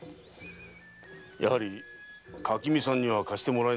やはり垣見さんには貸してもらえないか。